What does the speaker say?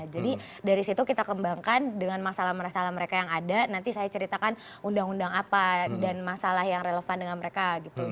jadi dari situ kita kembangkan dengan masalah masalah mereka yang ada nanti saya ceritakan undang undang apa dan masalah yang relevan dengan mereka gitu